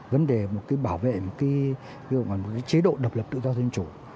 vấn đề một cái bảo vệ một cái chế độ độc lập tự do dân chủ